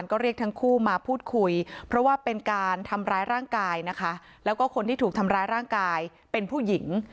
ก็เรียกทั้งคู่มาพูดคุยเพราะว่าเป็นการทำร้ายร่างกายนะคะแล้วก็คนที่ถูกทำร้ายร่างกายเป็นผู้หญิง